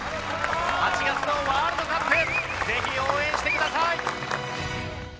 ８月のワールドカップぜひ応援してください！